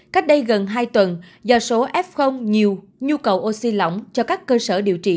cách đây gần hai tuần do số f nhiều nhu cầu oxy lỏng cho các cơ sở điều trị